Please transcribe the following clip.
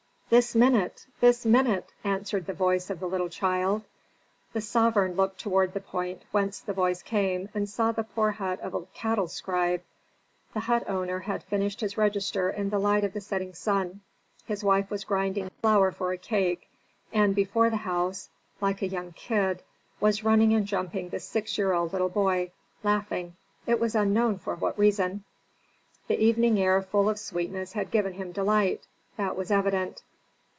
"This minute this minute!" answered the voice of the little child. The sovereign looked toward the point whence the voice came and saw the poor hut of a cattle scribe. The hut owner had finished his register in the light of the setting sun, his wife was grinding flour for a cake, and before the house, like a young kid, was running and jumping the six year old little boy, laughing, it was unknown for what reason. The evening air full of sweetness had given him delight, that was evident.